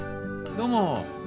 どうも。